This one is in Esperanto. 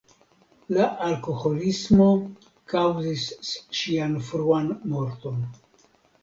La alkoholismo kaŭzis ŝian fruan morton.